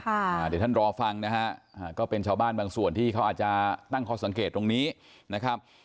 เดี๋ยวท่านรอฟังนะฮะก็เป็นชาวบ้านบางส่วนที่เขาอาจจะตั้งข้อสังเกตตรงนี้นะครับ